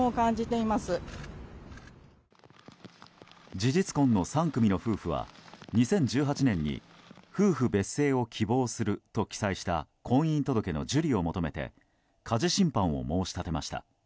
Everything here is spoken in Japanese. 事実婚の３組の夫婦は２０１８年に夫婦別姓を希望すると記載した婚姻届の受理を求めて家事審判を申し立てました。